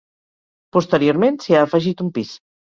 Posteriorment s'hi ha afegit un pis.